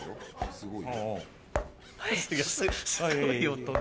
すごい！